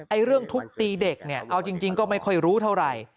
เรื่องทุบตีเด็กเนี่ยเอาจริงก็ไม่ค่อยรู้เท่าไหร่